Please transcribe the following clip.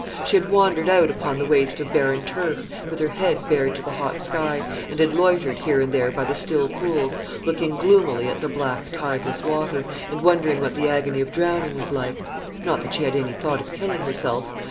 She had wandered out upon the waste of barren turf, with her head bared to the hot sky, and had loitered here and there by the still pools, looking gloomily at the black tideless water, and wondering what the agony of drowning was like. Not that she had any thought of killing herself.